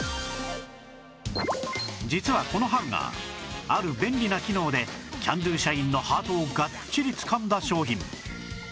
実はこのハンガーある便利な機能でキャンドゥ社員のハートをガッチリつかんだ商品